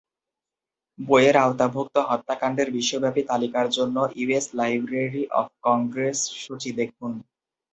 বইয়ের আওতাভুক্ত হত্যাকাণ্ডের বিশ্বব্যাপী তালিকার জন্য ইউএস লাইব্রেরি অফ কংগ্রেস সূচী দেখুন।